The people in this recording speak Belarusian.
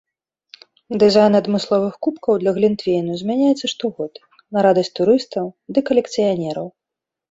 Дызайн адмысловых кубкаў для глінтвейну змяняецца штогод, на радасць турыстаў ды калекцыянераў.